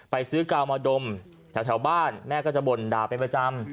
ไปซื้อกาวมาดมแถวบ้านแม่ก็จะบ่นด่าเป็นประจำ